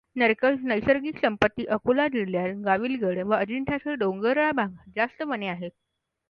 नैसर्गिक संपत्ती अकोला जिल्ह्यात गाविलगड व अजिंठ्याच्या डॊंगरराळ भागात जास्त वने आहेत.